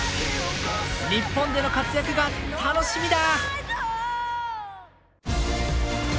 日本での活躍が楽しみだ！